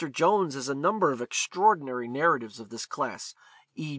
Jones has a number of extraordinary narratives of this class e.